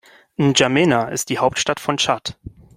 N’Djamena ist die Hauptstadt von Tschad.